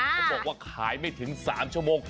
เขาบอกว่าขายไม่ถึง๓ชั่วโมง